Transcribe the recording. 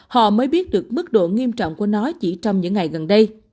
họ mới biết được mức độ nghiêm trọng của nó chỉ trong những ngày gần đây